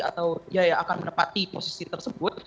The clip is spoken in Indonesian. atau dia yang akan menepati posisi tersebut